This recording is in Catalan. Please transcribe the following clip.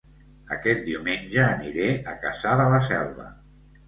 Aquest diumenge aniré a Cassà de la Selva